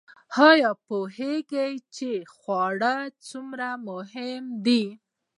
ایا پوهیږئ چې خواړه څومره مهم دي؟